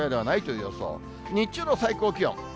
日中の最高気温。